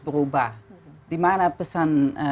berubah dimana pesan